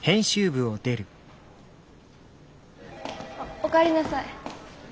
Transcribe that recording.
おかえりなさい。